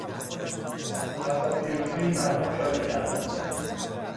پس از پیروزی مردم شادی کردند.